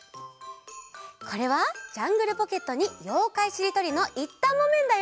これは「ジャングルポケット」に「ようかいしりとり」のいったんもめんだよ！